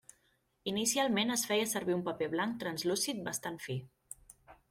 Inicialment es feia servir un paper blanc translúcid bastant fi.